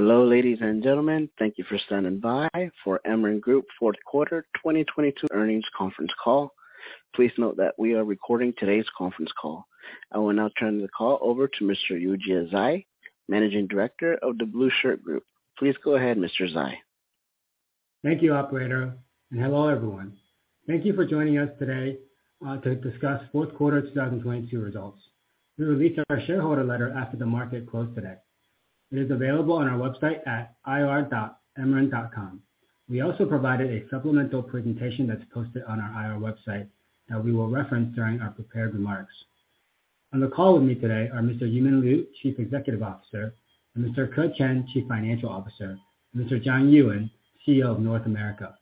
Hello, ladies and gentlemen. Thank you for standing by for Emeren Group fourth quarter 2022 earnings conference call. Please note that we are recording today's conference call. I will now turn the call over to Mr. Yujia Zhai, Managing Director of The Blueshirt Group. Please go ahead, Mr. Zhai. Thank you, operator. Hello, everyone. Thank you for joining us today to discuss fourth quarter 2022 results. We released our shareholder letter after the market closed today. It is available on our website at ir@emeren.com. We also provided a supplemental presentation that's posted on our IR website that we will reference during our prepared remarks. On the call with me today are Mr. Yumin Liu, Chief Executive Officer, Mr. Ke Chen, Chief Financial Officer, and Mr. John Ewen, CEO of North America.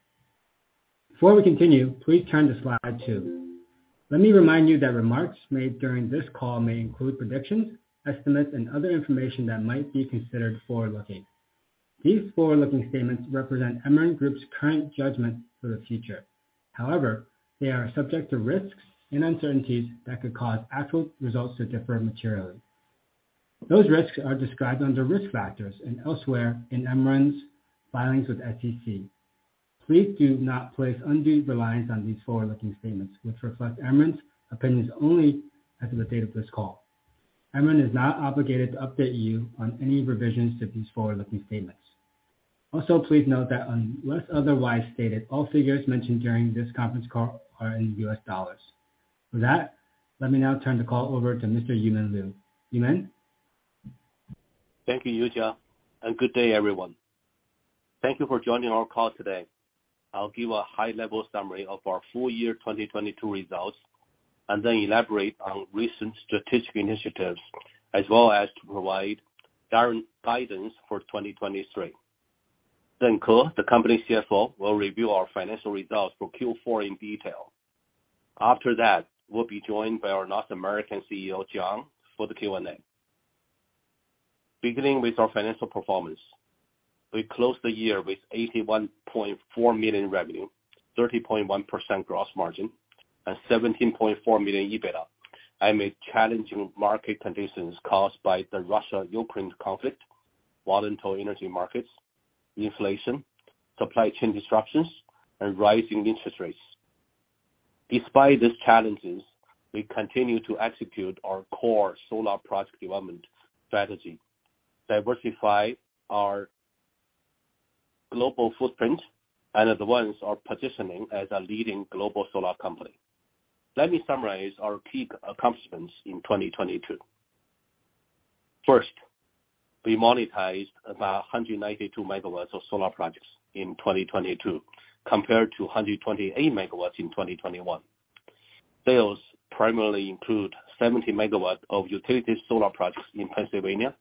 Before we continue, please turn to slide two. Let me remind you that remarks made during this call may include predictions, estimates, and other information that might be considered forward-looking. These forward-looking statements represent Emeren Group's current judgment for the future. They are subject to risks and uncertainties that could cause actual results to differ materially. Those risks are described under risk factors and elsewhere in Emeren's filings with SEC. Please do not place undue reliance on these forward-looking statements, which reflect Emeren's opinions only as of the date of this call. Emeren is not obligated to update you on any revisions to these forward-looking statements. Also, please note that unless otherwise stated, all figures mentioned during this conference call are in US dollars. With that, let me now turn the call over to Mr. Yumin Liu. Yumin? Thank you, Yujia. Good day, everyone. Thank you for joining our call today. I'll give a high-level summary of our full year 2022 results, then elaborate on recent strategic initiatives, as well as to provide guidance for 2023. Ke, the company CFO, will review our financial results for Q4 in detail. After that, we'll be joined by our North American CEO, John, for the Q&A. Beginning with our financial performance, we closed the year with $81.4 million revenue, 30.1% gross margin, and $17.4 million EBITDA, amid challenging market conditions caused by the Russia-Ukraine conflict, volatile energy markets, inflation, supply chain disruptions, and rising interest rates. Despite these challenges, we continue to execute our core solar project development strategy, diversify our global footprint, and advance our positioning as a leading global solar company. Let me summarize our key accomplishments in 2022. We monetized about 192 MW of solar projects in 2022, compared to 128 MW in 2021. Sales primarily include 70 MW of utility solar projects in Pennsylvania,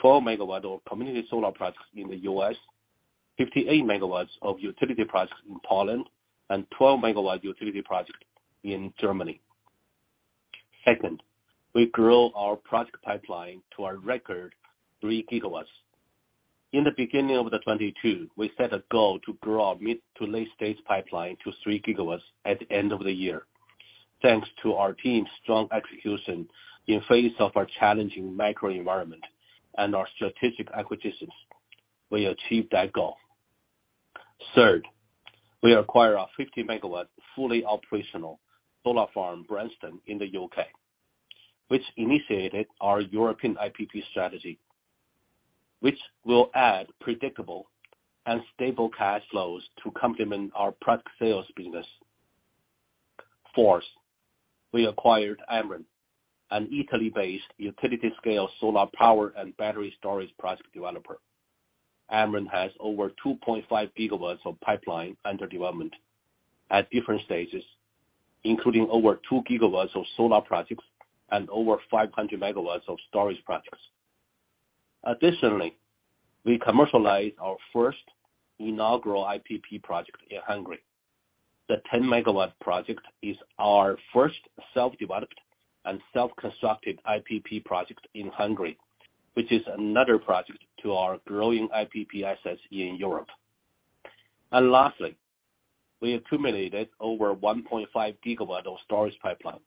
12 MW of community solar projects in the U.S., 58 MW of utility projects in Poland, and 12 MW utility project in Germany. We grow our project pipeline to a record 3 GW. In the beginning of 2022, we set a goal to grow our mid-to-late stage pipeline to 3 GW at the end of the year. Thanks to our team's strong execution in face of our challenging macro environment and our strategic acquisitions, we achieved that goal. We acquire a 50 MW fully operational solar farm, Branston, in the U.K., which initiated our European IPP strategy, which will add predictable and stable cash flows to complement our product sales business. Fourth, we acquired Emeren, an Italy-based utility scale solar power and battery storage project developer. Emeren has over 2.5 GW of pipeline under development at different stages, including over 2 GW of solar projects and over 500 MW of storage projects. Additionally, we commercialize our first inaugural IPP project in Hungary. The 10 MW project is our first self-developed and self-constructed IPP project in Hungary, which is another project to our growing IPP assets in Europe. Lastly, we accumulated over 1.5 GW of storage pipeline.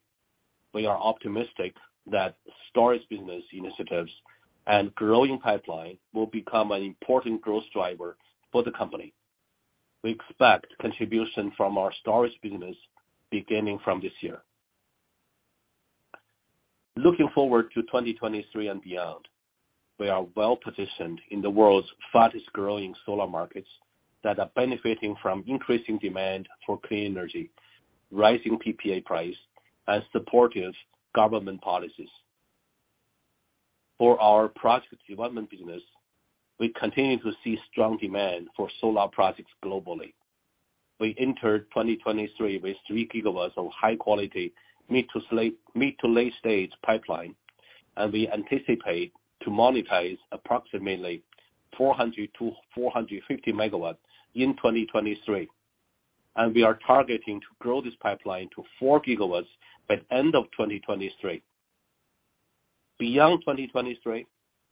We are optimistic that storage business initiatives and growing pipeline will become an important growth driver for the company. We expect contribution from our storage business beginning from this year. Looking forward to 2023 and beyond, we are well-positioned in the world's fastest growing solar markets that are benefiting from increasing demand for clean energy, rising PPA price, and supportive government policies. For our project development business, we continue to see strong demand for solar projects globally. We entered 2023 with 3 gigawatts of high quality mid to late stage pipeline. We anticipate to monetize approximately 400-450 megawatts in 2023. We are targeting to grow this pipeline to 4 gigawatts by end of 2023. Beyond 2023,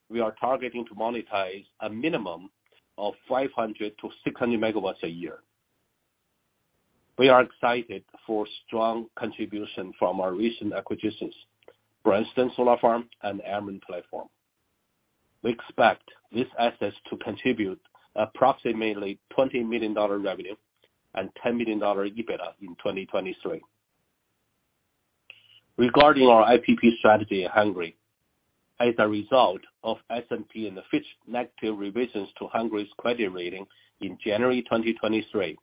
we are targeting to monetize a minimum of 500-600 megawatts a year. We are excited for strong contribution from our recent acquisitions, Branston Solar Farm and Emeren platform. We expect these assets to contribute approximately $20 million revenue and $10 million EBITDA in 2023. Regarding our IPP strategy in Hungary, as a result of S&P and Fitch negative revisions to Hungary's credit rating in January 2023,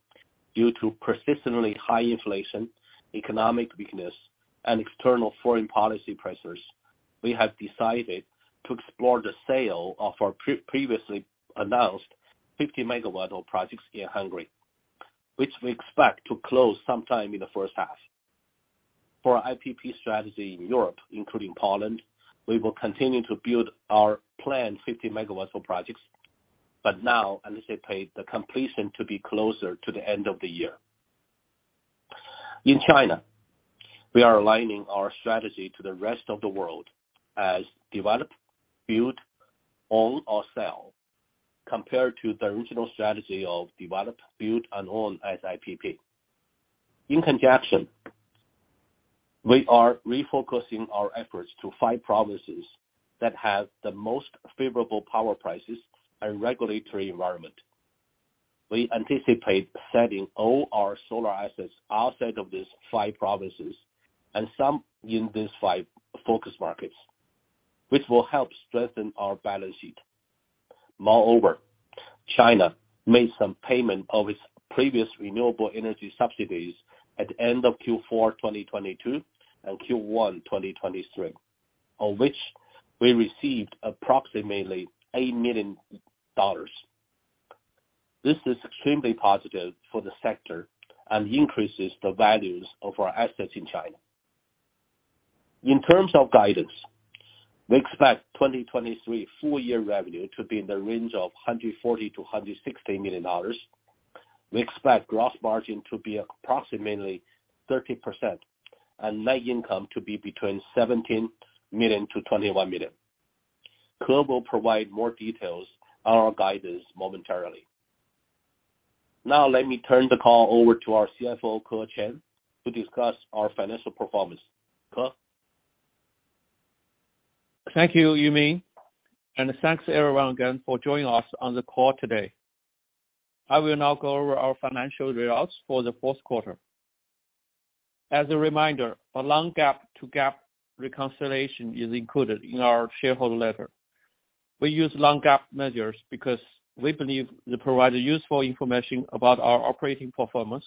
due to persistently high inflation, economic weakness, and external foreign policy pressures, we have decided to explore the sale of our previously announced 50-megawatt of projects in Hungary, which we expect to close sometime in the first half. For our IPP strategy in Europe, including Poland, we will continue to build our planned 50 megawatts of projects, now anticipate the completion to be closer to the end of the year. In China, we are aligning our strategy to the rest of the world as develop, build, own or sell, compared to the original strategy of develop, build and own as IPP. In conjunction, we are refocusing our efforts to five provinces that have the most favorable power prices and regulatory environment. We anticipate selling all our solar assets outside of these five provinces and some in these five focus markets, which will help strengthen our balance sheet. Moreover, China made some payment of its previous renewable energy subsidies at the end of Q4 2022 and Q1 2023, on which we received approximately $8 million. This is extremely positive for the sector and increases the values of our assets in China. In terms of guidance, we expect 2023 full year revenue to be in the range of $140 million-$160 million. We expect gross margin to be approximately 30% and net income to be between $17 million-$21 million. Ke will provide more details on our guidance momentarily. Now let me turn the call over to our CFO, Ke Chen, to discuss our financial performance. Ke? Thank you Yumin, and thanks everyone again for joining us on the call today. I will now go over our financial results for the 4th quarter. As a reminder, a non-GAAP to GAAP reconciliation is included in our shareholder letter. We use non-GAAP measures because we believe they provide useful information about our operating performance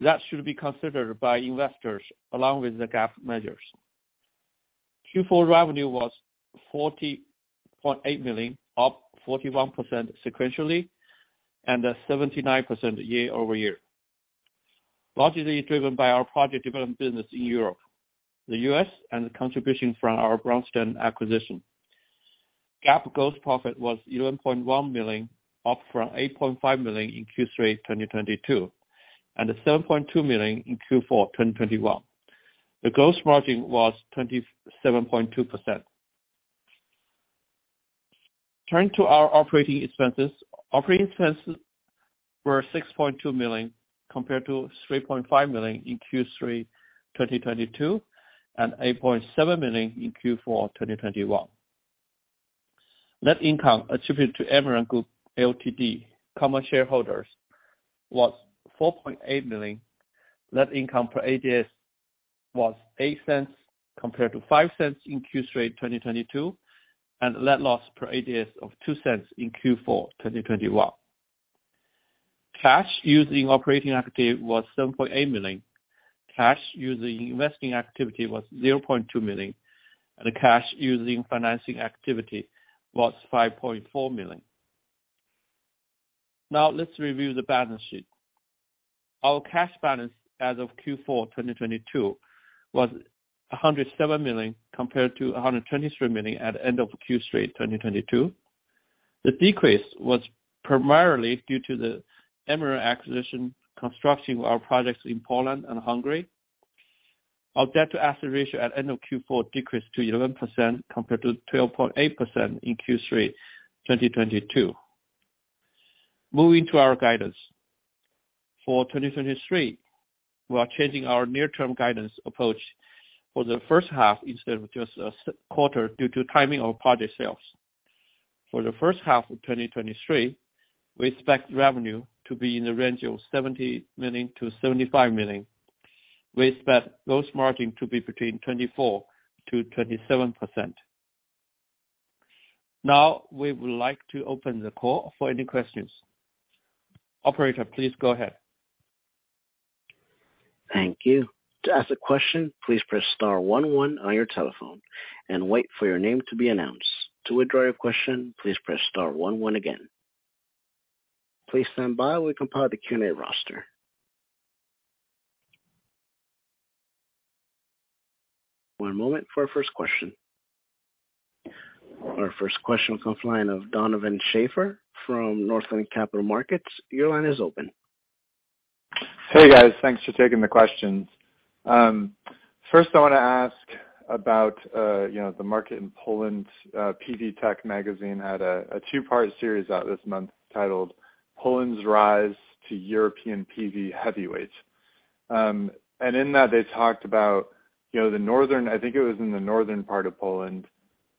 that should be considered by investors along with the GAAP measures. Q4 revenue was $40.8 million, up 41% sequentially and 79% year-over-year, largely driven by our project development business in Europe, the U.S. and the contribution from our Branston acquisition. GAAP gross profit was $11.1 million, up from $8.5 million in Q3 2022, and $7.2 million in Q4 2021. The gross margin was 27.2%. Turning to our operating expenses. Operating expenses were $6.2 million, compared to $3.5 million in Q3, 2022, and $8.7 million in Q4, 2021. Net income attributed to Emeren Group Ltd common shareholders was $4.8 million. Net income per ADS was $0.08 compared to $0.05 in Q3, 2022, and net loss per ADS of $0.02 in Q4, 2021. Cash used in operating activity was $7.8 million. Cash used in investing activity was $0.2 million. Cash used in financing activity was $5.4 million. Let's review the balance sheet. Our cash balance as of Q4, 2022 was $107 million compared to $123 million at the end of Q3, 2022. The decrease was primarily due to the Emeren acquisition construction of our projects in Poland and Hungary. Our debt to asset ratio at end of Q4 decreased to 11% compared to 12.8% in Q3, 2022. Moving to our guidance. 2023, we are changing our near-term guidance approach for the first half instead of just a quarter due to timing of project sales. The first half of 2023, we expect revenue to be in the range of $70 million-$75 million. We expect gross margin to be between 24%-27%. We would like to open the call for any questions. Operator, please go ahead. Thank you. To ask a question, please press star 11 on your telephone and wait for your name to be announced. To withdraw your question, please press star one one again. Please stand by while we compile the Q&A roster. One moment for our first question. Our first question comes from the line of Donovan Schafer from Northland Capital Markets. Your line is open. Hey, guys. Thanks for taking the questions. I wanna ask about, you know, the market in Poland. PV Tech Magazine had a two-part series out this month titled Poland's Rise to European PV Heavyweights. In that, they talked about, you know, the northern. I think it was in the northern part of Poland,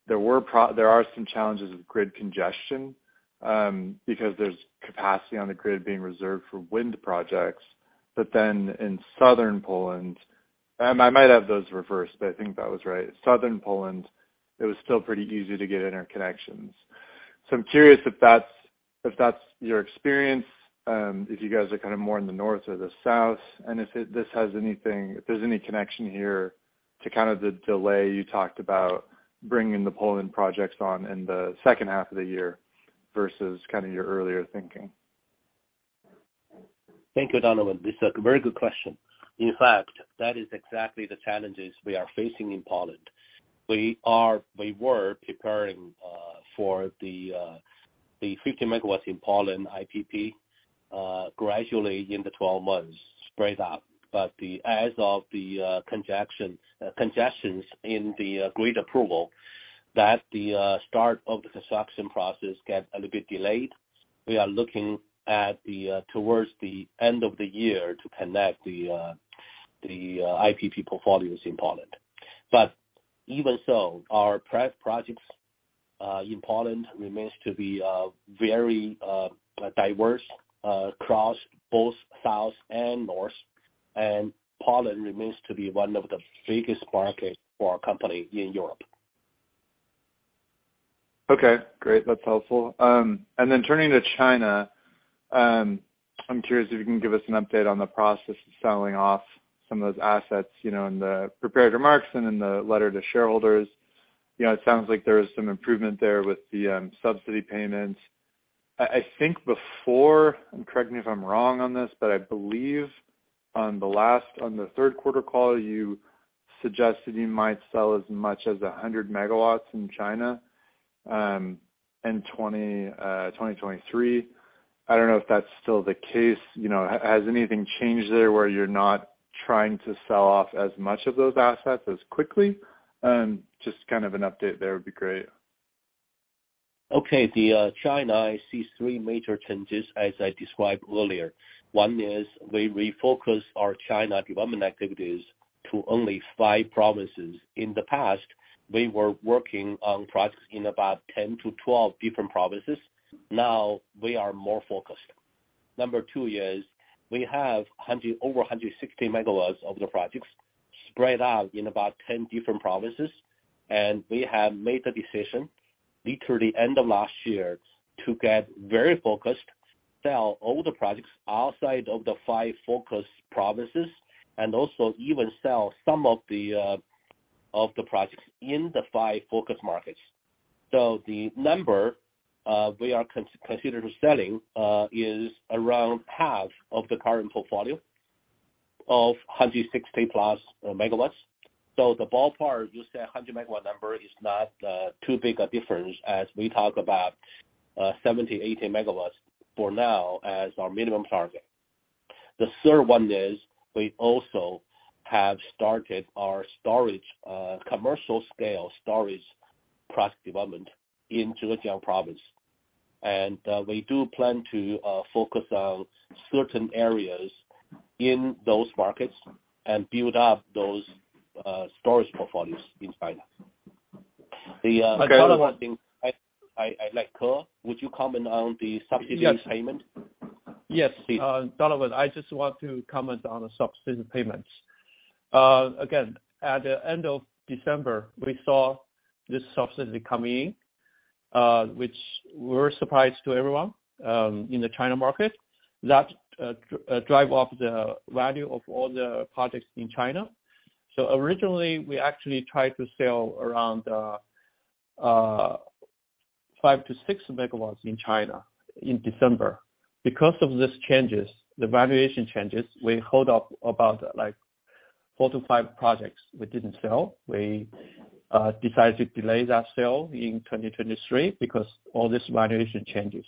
there are some challenges with grid congestion because there's capacity on the grid being reserved for wind projects. In southern Poland, I might have those reversed, but I think that was right. Southern Poland, it was still pretty easy to get interconnections. I'm curious if that's, if that's your experience, if you guys are kind of more in the north or the south, and if there's any connection here to kind of the delay you talked about bringing the Poland projects on in the second half of the year versus kind of your earlier thinking? Thank you, Donovan. This is a very good question. In fact, that is exactly the challenges we are facing in Poland. We were preparing for the 50 MW in Poland IPP gradually in the 12 months spread out. As of the congestions in the grid approval, the start of the construction process get a little bit delayed. We are looking at the towards the end of the year to connect the IPP portfolios in Poland. Even so, our projects in Poland remains to be very diverse across both south and north, and Poland remains to be one of the biggest market for our company in Europe. Okay. Great. That's helpful. Turning to China, I'm curious if you can give us an update on the process of selling off some of those assets, you know, in the prepared remarks and in the letter to shareholders. You know, it sounds like there was some improvement there with the subsidy payments. I think before, and correct me if I'm wrong on this, but I believe on the last, on the third quarter call, you suggested you might sell as much as 100 megawatts in China in 2023. I don't know if that's still the case. You know, has anything changed there where you're not trying to sell off as much of those assets as quickly? Just kind of an update there would be great. China, I see three major changes as I described earlier. One is we refocus our China development activities to only five provinces. In the past, we were working on projects in about 10 to 12 different provinces. Now we are more focused. Number two is we have over 160 megawatts of the projects spread out in about 10 different provinces, and we have made the decision near to the end of last year to get very focused, sell all the projects outside of the five focus provinces, and also even sell some of the projects in the five focus markets. The number we are considered selling is around half of the current portfolio of 160-plus megawatts. The ballpark, you say a 100 MW number is not too big a difference as we talk about 70, 80 MW for now as our minimum target. The third one is we also have started our storage, commercial scale storage product development in Zhejiang province. We do plan to focus on certain areas in those markets and build up those storage portfolios in China. One last thing. Ke, would you comment on the subsidy payment? Yes, please. Donovan, I just want to comment on the subsidy payments. Again, at the end of December, we saw this subsidy coming in, which were surprise to everyone in the China market. That drive up the value of all the projects in China. Originally, we actually tried to sell around 5 to 6 megawatts in China in December. Because of these changes, the valuation changes, we hold up about, like four to five projects we didn't sell. We decided to delay that sale in 2023 because all this valuation changes.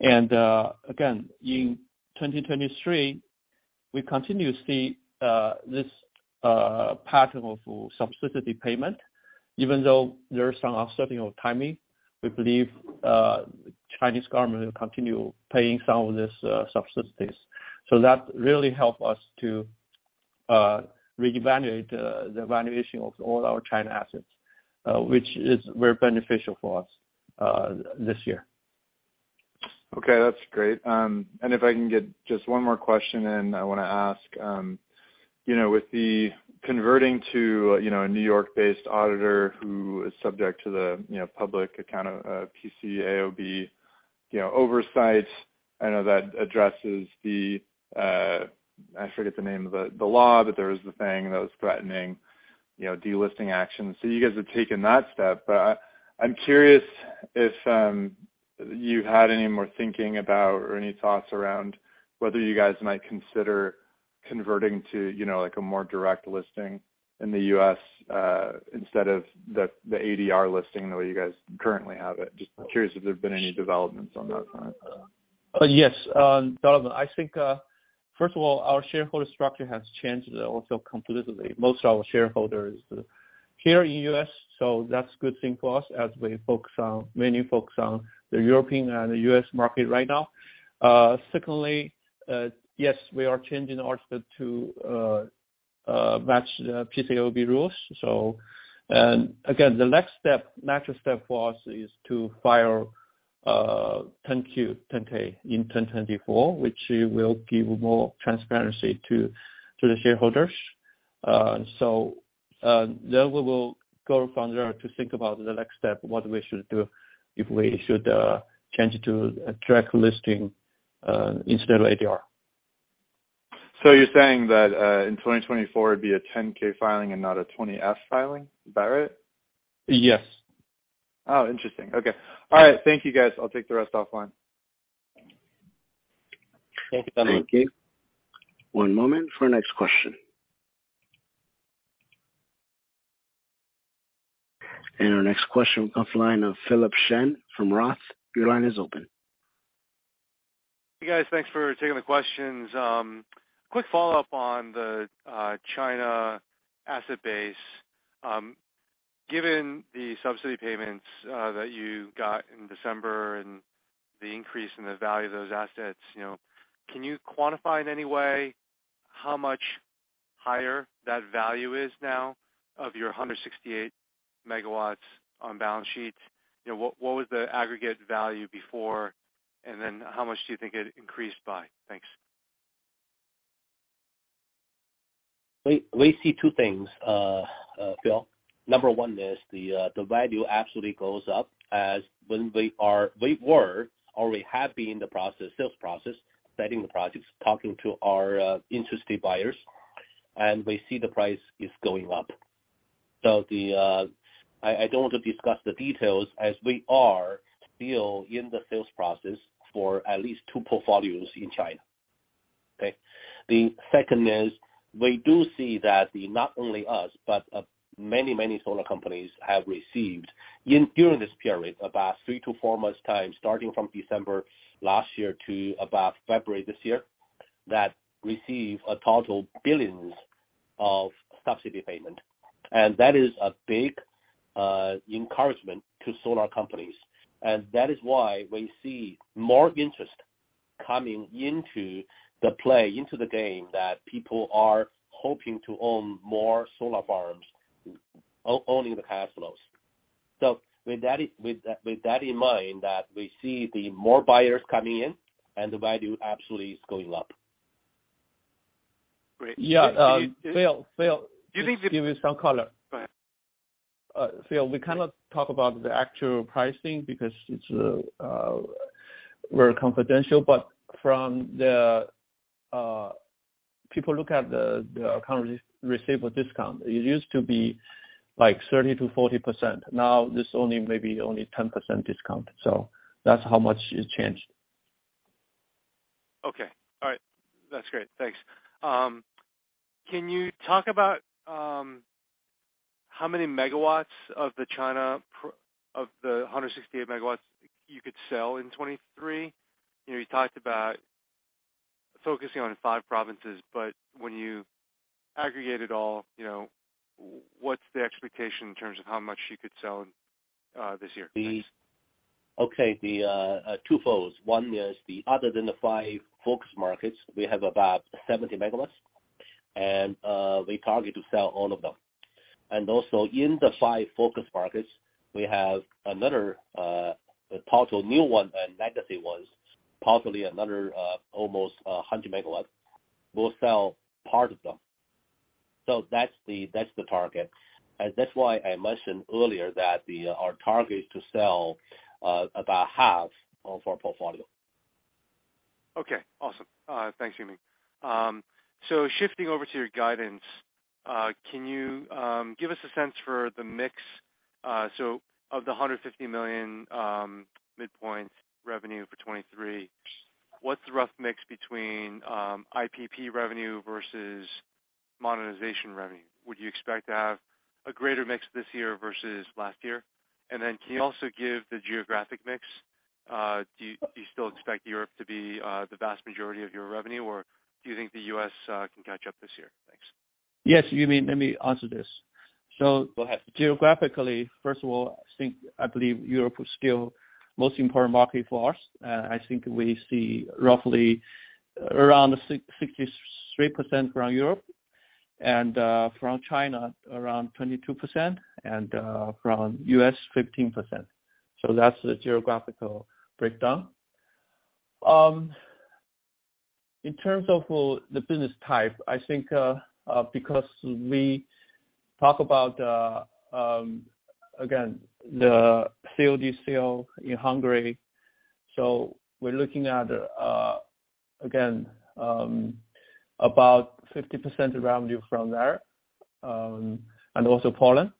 Again in 2023, we continue to see this pattern of subsidy payment. Even though there are some uncertainty of timing, we believe Chinese government will continue paying some of this subsidies. That really help us to reevaluate the valuation of all our China assets, which is very beneficial for us this year. Okay. That's great. If I can get just one more question in, I wanna ask, you know, with the converting to, you know, a New York-based auditor who is subject to the, you know, public account, PCAOB, you know, oversight, I know that addresses the, I forget the name of the law, but there was the thing that was threatening, you know, delisting actions. You guys have taken that step. I'm curious if you had any more thinking about or any thoughts around whether you guys might consider converting to, you know, like, a more direct listing in the U.S. instead of the ADR listing the way you guys currently have it. Just curious if there've been any developments on that front. Yes, Donovan. I think, first of all, our shareholder structure has changed also completely. Most of our shareholders here in U.S., that's a good thing for us as we focus on many folks on the European and the U.S. market right now. Secondly, yes, we are changing our split to match the PCAOB rules. Again, the next step, natural step for us is to file Form 10-Q, Form 10-K in 2024, which will give more transparency to the shareholders. Then we will go from there to think about the next step, what we should do if we should change to a direct listing instead of ADR. You're saying that, in 2024, it'd be a Form 10-K filing and not a Form 20-F filing? Is that right? Yes. Oh, interesting. Okay. All right. Thank you, guys. I'll take the rest offline. Thank you. One moment for next question. Our next question comes line of Philip Shen from Roth Capital Partners. Your line is open. Hey, guys. Thanks for taking the questions. Quick follow-up on the China asset base. Given the subsidy payments that you got in December and the increase in the value of those assets, you know, can you quantify in any way how much higher that value is now of your 168 megawatts on balance sheet? You know, what was the aggregate value before, and then how much do you think it increased by? Thanks. We see two things, Phil. Number one is the value absolutely goes up as when we were already have been in the process, sales process, setting the projects, talking to our interested buyers, and we see the price is going up. I don't want to discuss the details as we are still in the sales process for at least two portfolios in China. Okay, the second is we do see that not only us, but many solar companies have received in, during this period, about three to four months time, starting from December last year to about February this year, that receive a total billions of subsidy payment. That is a big encouragement to solar companies. That is why we see more interest coming into the play, into the game that people are hoping to own more solar farms, owning the cash flows. With that in mind that we see the more buyers coming in and the value absolutely is going up. Great. Do you think? Yeah. Phil, give you some color. Go ahead. Phil, we cannot talk about the actual pricing because it's very confidential, but from the people look at the account receivable discount. It used to be like 30%-40%. Now, this only may be only 10% discount. That's how much it's changed. Okay. All right. That's great. Thanks. Can you talk about how many megawatts of the China of the 168 megawatts you could sell in 2023? You know, you talked about focusing on five provinces, but when you aggregate it all, you know, what's the expectation in terms of how much you could sell this year? Thanks. Okay, two folds. One is the other than the five focus markets, we have about 70 megawatts, we target to sell all of them. Also in the five focus markets, we have another total new one and legacy ones, possibly another almost 100 megawatts. We'll sell part of them. That's the, that's the target. That's why I mentioned earlier that our target is to sell about half of our portfolio. Okay, awesome. Thanks, Yumin. Shifting over to your guidance, can you give us a sense for the mix? Of the $150 million midpoint revenue for 2023, what's the rough mix between IPP revenue versus monetization revenue? Would you expect to have a greater mix this year versus last year? Can you also give the geographic mix? Do you still expect Europe to be the vast majority of your revenue, or do you think the U.S. can catch up this year? Thanks. Yes. Yumin, let me answer this. Go ahead. Geographically, first of all, I think, I believe Europe is still most important market for us. I think we see roughly around 63% from Europe, from China around 22%, from U.S., 15%. So that's the geographical breakdown. In terms of the business type, I think, because we talk about again, the COD sale in Hungary, so we're looking at again, about 50% revenue from there, and also Poland.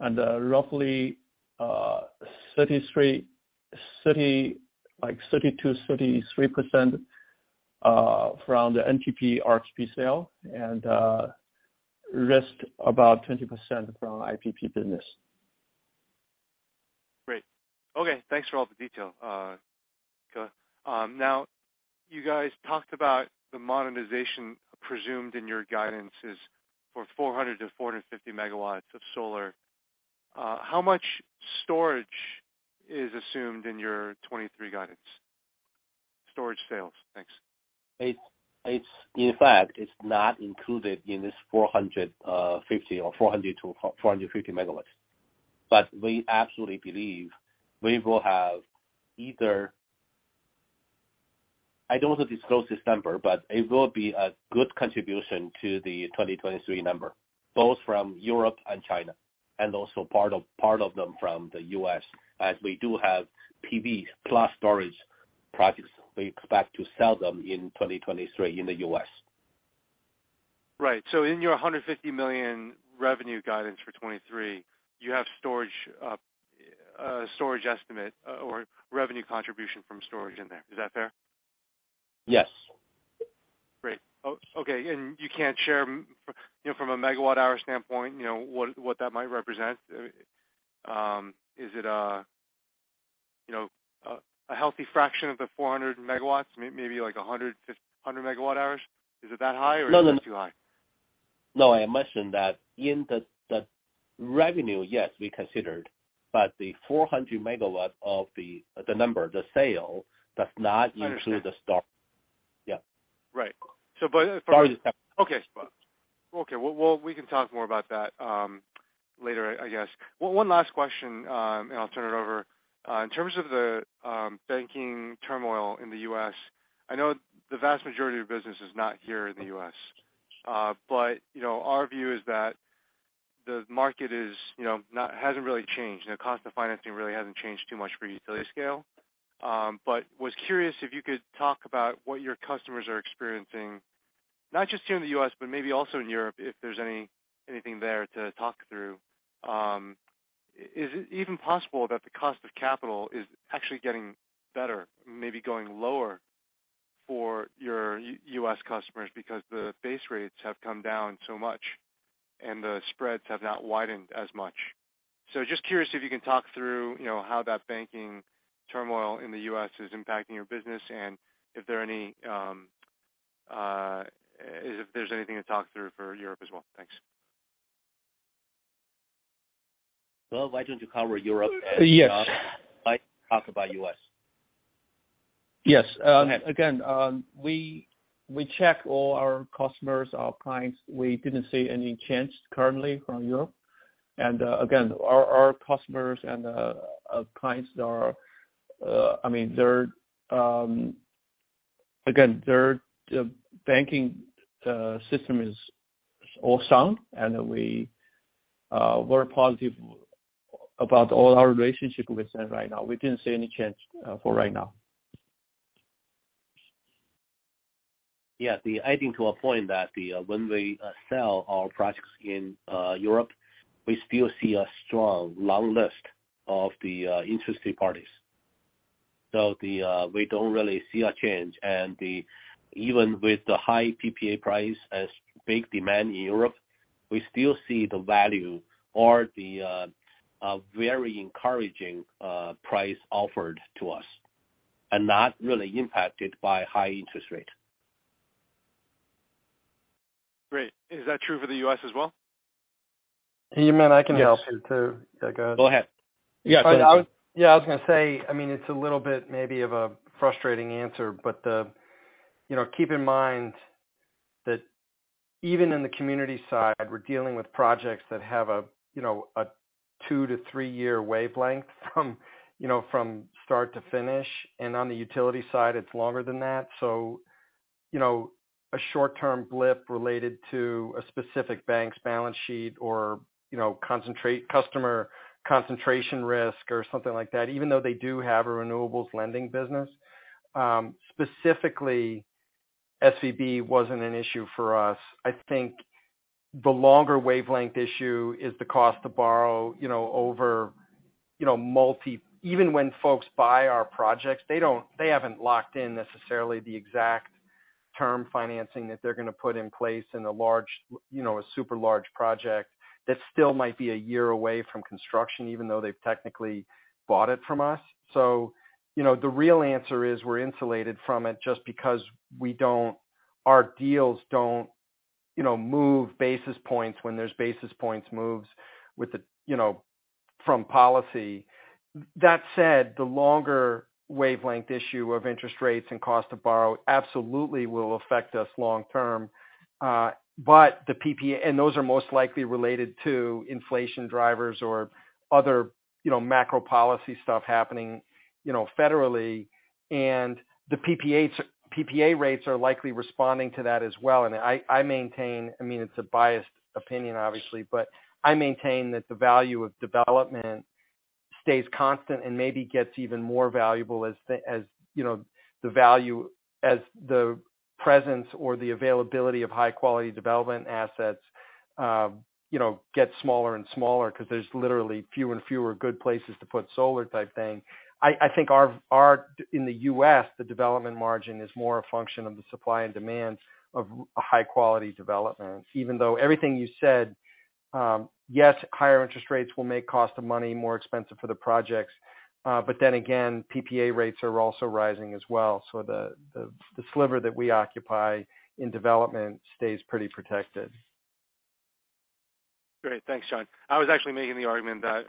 Roughly 32%-33% from the NTP RFP sale and rest about 20% from IPP business. Great. Okay, thanks for all the detail, Ke. You guys talked about the modernization presumed in your guidance is for 400-450 megawatts of solar. How much storage is assumed in your 2023 guidance? Storage sales. Thanks. It's in fact, it's not included in this 450 or 400-450 MW. We absolutely believe we will have either. I don't want to disclose this number, but it will be a good contribution to the 2023 number both from Europe and China, and also part of them from the U.S. as we do have PV plus storage projects. We expect to sell them in 2023 in the U.S. In your $150 million revenue guidance for 2023, you have storage estimate or revenue contribution from storage in there. Is that fair? Yes. Great. Okay, you can't share you know, from a megawatt hour standpoint, you know, what that might represent? Is it, you know, a healthy fraction of the 400 MW, maybe like 100 to 100 MWh? Is it that high or is it too high? No, I mentioned that in the revenue, yes, we considered, but the 400 megawatt of the number, the sale does not include the stock. Yeah. Right. So but for, okay. Okay. Well, we can talk more about that later, I guess. One last question, and I'll turn it over. In terms of the banking turmoil in the U.S., I know the vast majority of business is not here in the U.S. You know, our view is that the market, you know, hasn't really changed. The cost of financing really hasn't changed too much for utility scale. Was curious if you could talk about what your customers are experiencing, not just here in the U.S., but maybe also in Europe, if there's anything there to talk through. Is it even possible that the cost of capital is actually getting better, maybe going lower for your U.S. customers because the base rates have come down so much and the spreads have not widened as much? Just curious if you can talk through, you know, how that banking turmoil in the U.S. is impacting your business and if there's anything to talk through for Europe as well. Thanks. Well, why don't you cover Europe? Yes. I talk about U.S. Yes. Again, we check all our customers, our clients. We didn't see any change currently from Europe. Our customers and our clients are. Their banking system is all sound, and we're positive about all our relationship with them right now. We didn't see any change for right now. Yeah. The adding to a point that the when we sell our projects in Europe, we still see a strong long list of the interesting parties. The we don't really see a change. Even with the high PPA price as big demand in Europe, we still see the value or the a very encouraging price offered to us and not really impacted by high interest rate. Great. Is that true for the U.S. as well? Yumin, I can help here too. Yeah, go ahead. Yeah, I mean it's a little bit maybe of a frustrating answer, but the you know, keep in mind that even in the community side, we're dealing with projects that have a, you know, a two-three year wavelength from you know, from start to finish, and on the utility side it's longer than that. A short term blip related to a specific bank's balance sheet or, you know, customer concentration risk or something like that, even though they do have a renewables lending business, specifically SVB wasn't an issue for us. I think the longer wavelength issue is the cost to borrow, you know, over, you know, multi. Even when folks buy our projects, they haven't locked in necessarily the exact term financing that they're gonna put in place in a large, you know, a super large project that still might be a year away from construction, even though they've technically bought it from us. You know, the real answer is we're insulated from it just because our deals don't, you know, move basis points when there's basis points moves with the, you know, from policy. That said, the longer wavelength issue of interest rates and cost to borrow absolutely will affect us long term. The PPA and those are most likely related to inflation drivers or other, you know, macro policy stuff happening, you know, federally. The PPA rates are likely responding to that as well. I maintain, I mean, it's a biased opinion obviously, but I maintain that the value of development stays constant and maybe gets even more valuable as the, as, you know, the value, as the presence or the availability of high-quality development assets, you know, gets smaller and smaller because there's literally fewer and fewer good places to put solar type thing. I think in the U.S., the development margin is more a function of the supply and demand of high-quality development. Even though everything you said. Yes, higher interest rates will make cost of money more expensive for the projects. PPA rates are also rising as well. The sliver that we occupy in development stays pretty protected. Great. Thanks, John. I was actually making the argument that,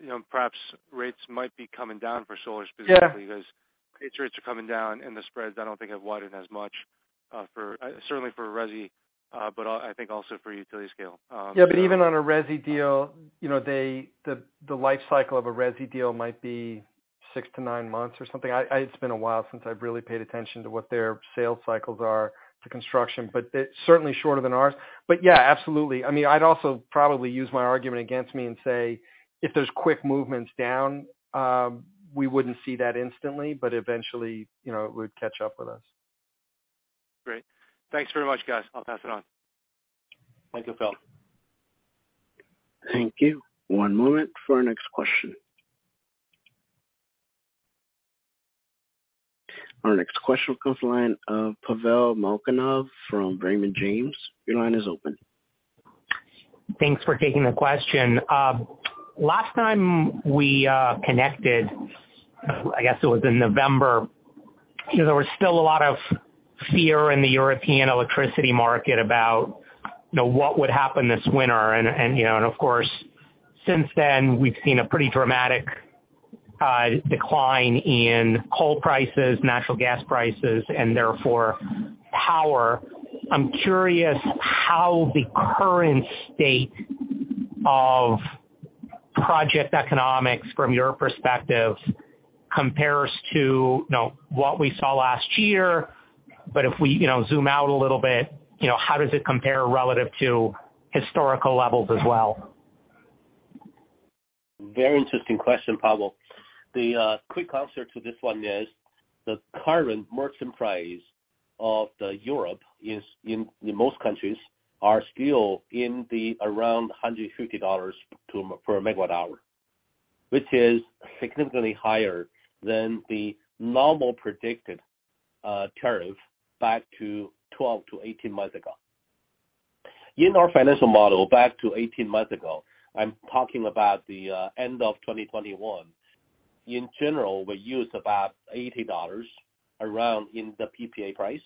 you know, perhaps rates might be coming down for solar specifically because rates are coming down and the spreads, I don't think have widened as much, for, certainly for resi, but I think also for utility scale. Even on a resi deal, you know, they, the life cycle of a resi deal might be six-nine months or something. It's been a while since I've really paid attention to what their sales cycles are to construction, but it's certainly shorter than ours. Absolutely. I mean, I'd also probably use my argument against me and say, if there's quick movements down, we wouldn't see that instantly, but eventually, you know, it would catch up with us. Great. Thanks very much, guys. I'll pass it on. Thank you, Phil. Thank you. One moment for our next question. Our next question comes line of Pavel Molchanov from Raymond James. Your line is open. Thanks for taking the question. Last time we connected, I guess it was in November, there was still a lot of fear in the European electricity market about what would happen this winter. Of course, since then, we've seen a pretty dramatic decline in coal prices, natural gas prices and therefore power. I'm curious how the current state of project economics from your perspective compares to what we saw last year. If we zoom out a little bit, how does it compare relative to historical levels as well? Very interesting question, Pavel. The quick answer to this one is, the current merchant price of the Europe is in most countries are still in the around $150 per a megawatt-hour, which is significantly higher than the normal predicted tariff back to 12-18 months ago. In our financial model, back to 18 months ago, I'm talking about the end of 2021. In general, we use about $80 around in the PPA price.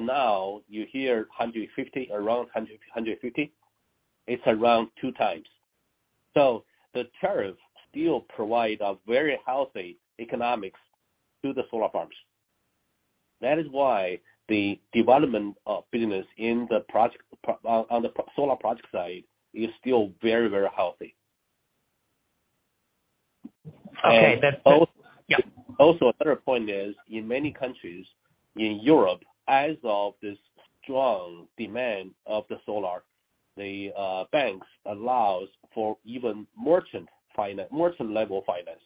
Now you hear $150, around $150. It's around 2 times. The tariff still provide a very healthy economics to the solar farms. That is why the development of business in the project on the solar project side is still very healthy. And also another point is, in many countries in Europe, as of this strong demand of the solar, the banks allows for even merchant finance, merchant level financing.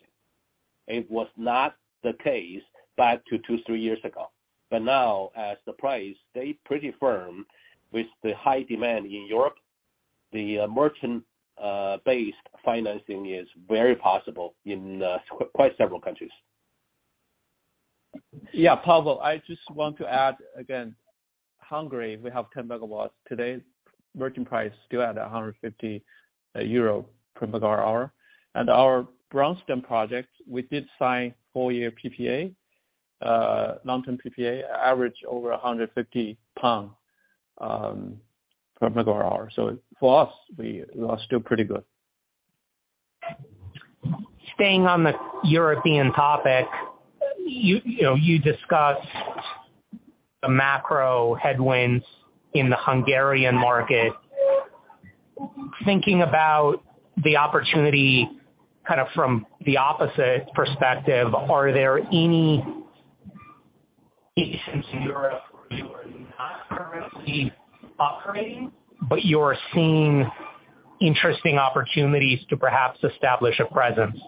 It was not the case back to two, three years ago. Now, as the price stayed pretty firm with the high demand in Europe, the merchant based financing is very possible in quite several countries. Pavel, I just want to add again, Hungary, we have 10 megawatts. Today, merchant price still at 150 euro per megawatt-hour. Our Branston project, we did sign four-year PPA, long-term PPA average over 150 pounds per megawatt-hour. For us, we are still pretty good. Staying on the European topic, you know, you discussed the macro headwinds in the Hungarian market. Thinking about the opportunity kinda from the opposite perspective, are there any locations in Europe where you are not currently operating, but you're seeing interesting opportunities to perhaps establish a presence?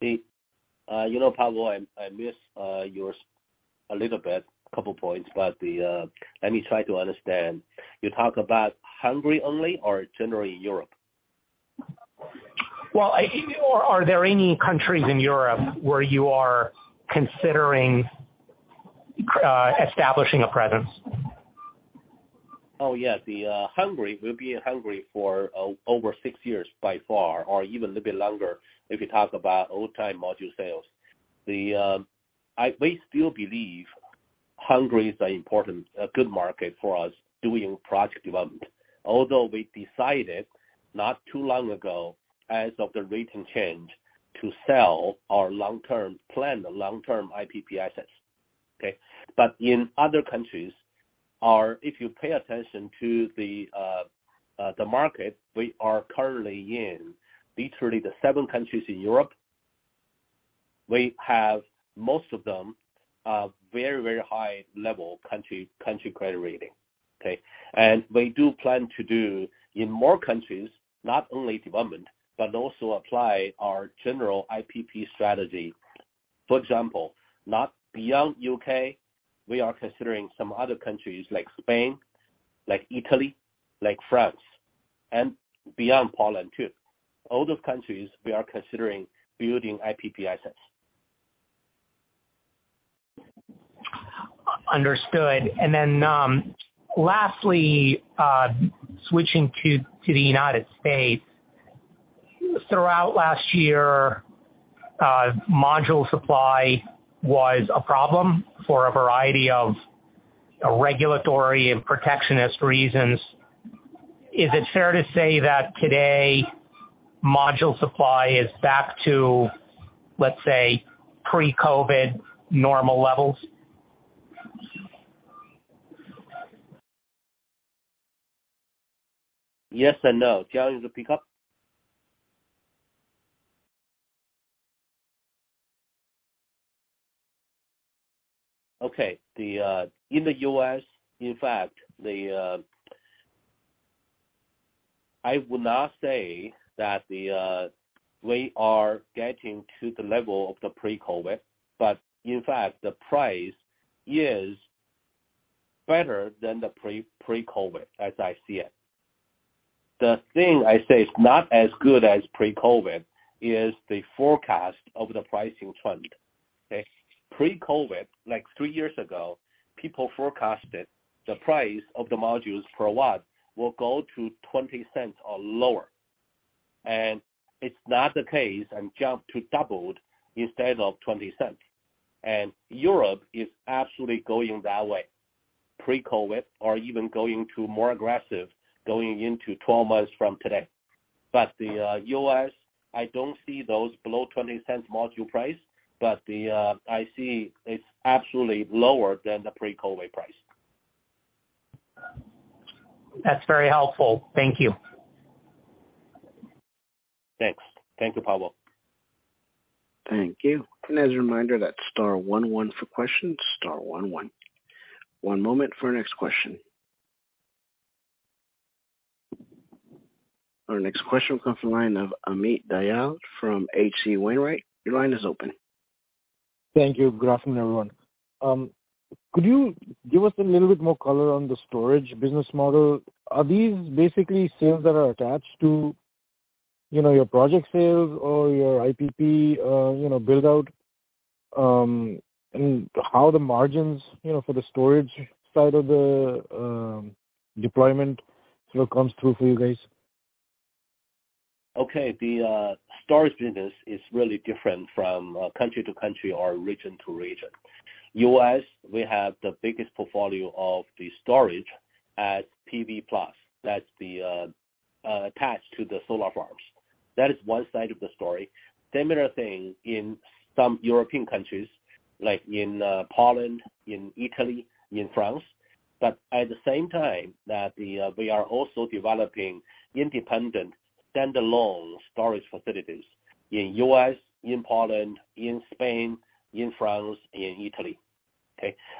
You know, Pavel, I missed a little bit, couple points, but let me try to understand. You talk about Hungary only or generally Europe? Well, or are there any countries in Europe where you are considering establishing a presence? Yes. Hungary, we've been in Hungary for over six years by far, or even a little bit longer if you talk about all-time module sales. We still believe Hungary is an important, a good market for us doing project development. We decided not too long ago, as of the recent change, to sell our long-term plan, the long-term IPP assets. Okay? In other countries, or if you pay attention to the market we are currently in, literally the seven countries in Europe, we have most of them very high level country credit rating. Okay? We do plan to do in more countries, not only development, but also apply our general IPP strategy. For example, not beyond U.K., we are considering some other countries like Spain, like Italy, like France, and beyond Poland too. All those countries, we are considering building IPP assets. Understood. Lastly, switching to the United States. Throughout last year, module supply was a problem for a variety of regulatory and protectionist reasons. Is it fair to say that today module supply is back to, let's say, pre-COVID normal levels? Yes and no. John, do you want to pick up? Okay. The in the U.S., in fact, I would not say that we are getting to the level of the pre-COVID, but in fact the price is better than the pre-COVID, as I see it. The thing I say is not as good as pre-COVID is the forecast of the pricing trend. Okay. Pre-COVID, like three years ago, people forecasted the price of the modules per watt will go to $0.20 or lower. It's not the case and jumped to doubled instead of $0.20. Europe is absolutely going that way pre-COVID or even going to more aggressive going into 12 months from today. The U.S., I don't see those below $0.20 module price, but I see it's absolutely lower than the pre-COVID price. That's very helpful. Thank you. Thanks. Thank you, Pavel. Thank you. As a reminder, that's star one one for questions, star one one. One moment for our next question. Our next question comes from the line of Amit Dayal from H.C. Wainwright. Your line is open. Thank you. Good afternoon, everyone. Could you give us a little bit more color on the storage business model? Are these basically sales that are attached to, you know, your project sales or your IPP, you know, build-out? How the margins, you know, for the storage side of the deployment, you know, comes through for you guys. The storage business is really different from country to country or region to region. U.S., we have the biggest portfolio of the storage at PV Plus. That's attached to the solar farms. That is one side of the story. Similar thing in some European countries, like in Poland, in Italy, in France. At the same time that we are also developing independent standalone storage facilities in U.S., in Poland, in Spain, in France, in Italy.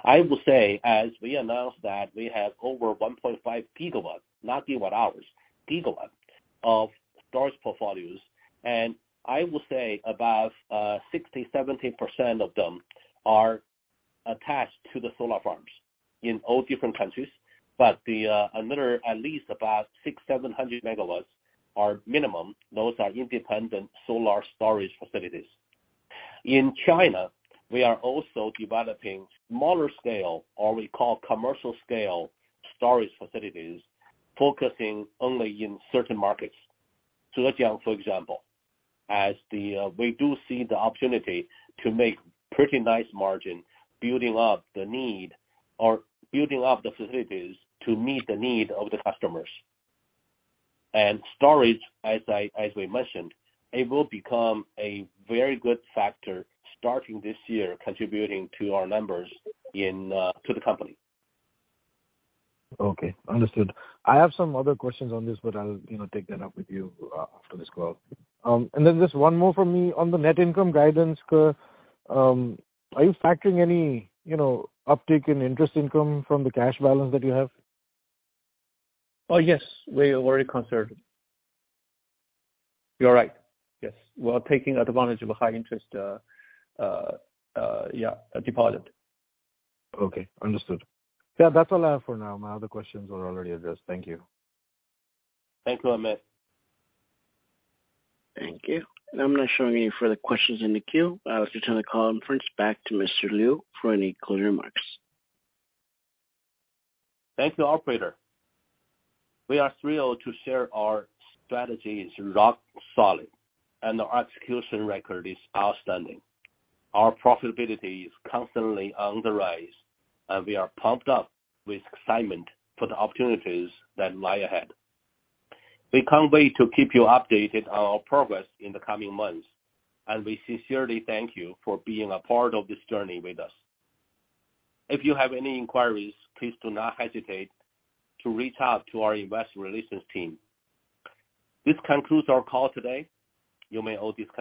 I will say, as we announced that we have over 1.5 gigawatts, not gigawatt hours, gigawatt of storage portfolios, and I will say about 60%-70% of them are attached to the solar farms in all different countries. The another at least about 600-700 megawatts are minimum. Those are independent solar storage facilities. In China, we are also developing smaller scale or we call commercial scale storage facilities, focusing only in certain markets. Zhejiang, for example. As the, we do see the opportunity to make pretty nice margin building up the need or building up the facilities to meet the need of the customers. Storage, as we mentioned, it will become a very good factor starting this year, contributing to our numbers in to the company. Okay. Understood. I have some other questions on this, but I'll, you know, take that up with you after this call. Just one more from me on the net income guidance. Are you factoring any, you know, uptick in interest income from the cash balance that you have? Yes, we are already concerned. You're right. Yes, we are taking advantage of a high interest deposit. Okay. Understood. Yeah. That's all I have for now. My other questions were already addressed. Thank you. Thank you, Amit. Thank you. I'm not showing any further questions in the queue. I'll just return the conference back to Yumin Liu for any closing remarks. Thank you, operator. We are thrilled to share our strategy is rock solid, and our execution record is outstanding. Our profitability is constantly on the rise, and we are pumped up with excitement for the opportunities that lie ahead. We can't wait to keep you updated on our progress in the coming months, and we sincerely thank you for being a part of this journey with us. If you have any inquiries, please do not hesitate to reach out to our investor relations team. This concludes our call today. You may all disconnect.